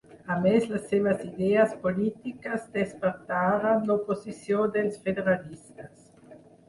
A més, les seves idees polítiques despertaren l'oposició dels federalistes.